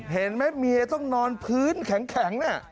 เห็นไหมเมียต้องนอนพื้นแข็งเนี่ย